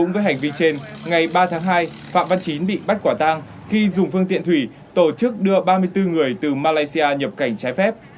với hành vi trên ngày ba tháng hai phạm văn chín bị bắt quả tang khi dùng phương tiện thủy tổ chức đưa ba mươi bốn người từ malaysia nhập cảnh trái phép